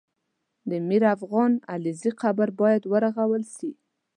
د میرافغان علیزي قبر باید ورغول سي